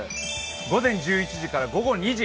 午前１１時から午後２時。